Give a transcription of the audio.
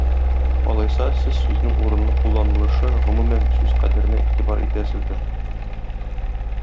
Алайса, сез сүзнең урынлы кулланылышы, гомумән, сүз кадеренә игътибар итәсездер.